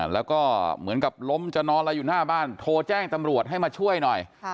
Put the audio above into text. แล้วก็เหมือนกับล้มจะนอนอะไรอยู่หน้าบ้านโทรแจ้งตำรวจให้มาช่วยหน่อย